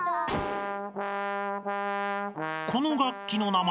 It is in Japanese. この楽器の名前